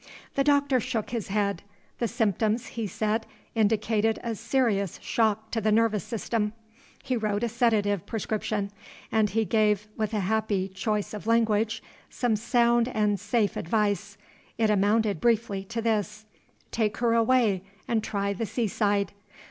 The doctor shook his head. The symptoms, he said, indicated a serious shock to the nervous system. He wrote a sedative prescription; and he gave (with a happy choice of language) some sound and safe advice. It amounted briefly to this: "Take her away, and try the sea side."